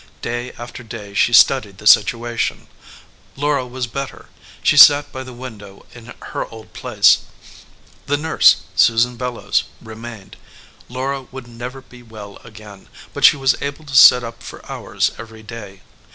Day after day she studied the situation. Laura was better. She sat by the window in her old place. The nurse, Susan Bellows, remained. Laura would never be well again, but she was able to sit up for hours every day.